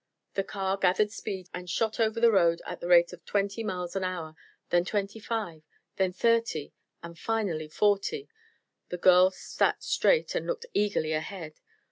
The car gathered speed and shot over the road at the rate of twenty miles an hour; then twenty five then thirty and finally forty. The girls sat straight and looked eagerly ahead.